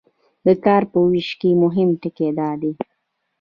د کار په ویش کې مهم ټکي دا دي.